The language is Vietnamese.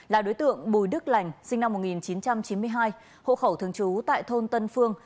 là đối tượng bùi đức lành sinh năm một nghìn chín trăm chín mươi hai hộ khẩu thường trú tại thôn tân phương